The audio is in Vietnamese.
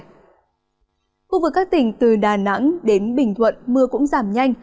khu vực các tỉnh từ đà nẵng đến bình thuận mưa cũng giảm nhanh